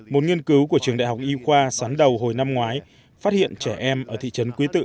một nghiên cứu của trường đại học y khoa sán đầu hồi năm ngoái phát hiện trẻ em ở thị trấn quý tự